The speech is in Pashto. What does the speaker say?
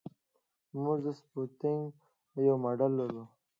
موږ د سپوتنیک یو ماډل لرو